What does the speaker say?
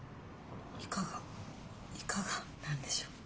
いかがいかがなんでしょうどう？